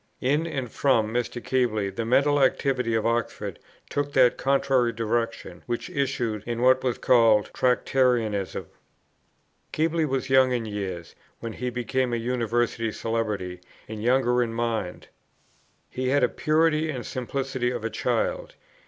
In and from Keble the mental activity of Oxford took that contrary direction which issued in what was called Tractarianism. Keble was young in years, when he became a University celebrity, and younger in mind. He had the purity and simplicity of a child.